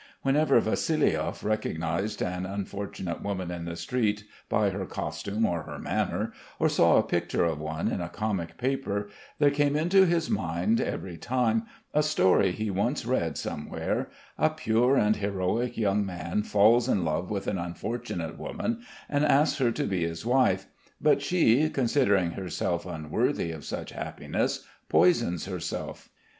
Whenever Vassiliev recognised an unfortunate woman in the street by her costume or her manner, or saw a picture of one in a comic paper, there came into his mind every time a story he once read somewhere: a pure and heroic young man falls in love with an unfortunate woman and asks her to be his wife, but she, considering herself unworthy of such happiness, poisons herself.